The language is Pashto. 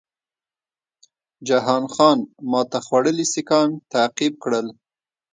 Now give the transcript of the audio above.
جهان خان ماته خوړلي سیکهان تعقیب کړل.